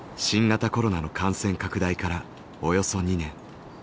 新型コロナの感染拡大からおよそ２年。